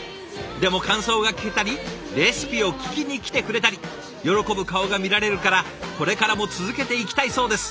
でも感想が聞けたりレシピを聞きに来てくれたり喜ぶ顔が見られるからこれからも続けていきたいそうです！